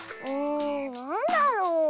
なんだろう？